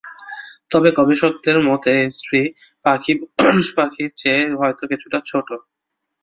তবে গবেষকদের মতে, স্ত্রী পাখি পুরুষ পাখির চেয়ে হয়তো কিছুটা ছোট।